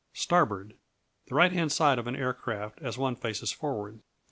Starboard The right hand side of an aircraft as one faces forward.